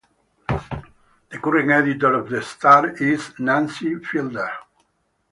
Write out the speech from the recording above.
The current editor of "The Star" is Nancy Fielder.